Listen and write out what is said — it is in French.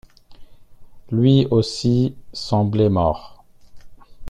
lui aussi, semblait mort.